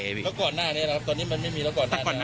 แล้วก่อนหน้านี้นะครับตอนนี้มันไม่มีแล้วก่อนหน้านี้